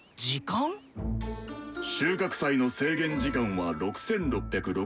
収穫祭の制限時間は６６６６分。